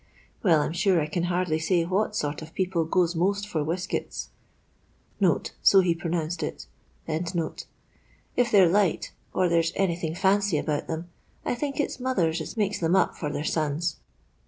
Well, I 'm sure I can hardly say what sort of people goes most for weskets " [so he pro nounced it]. " If they're light, or there's any thing'fancy' about them, I thinks it's mothers as makes them up for their sons.